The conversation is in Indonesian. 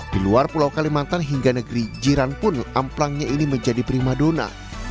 di luar pulau kalimantan hingga negeri jiran pun amplangnya ini menjadi prima dona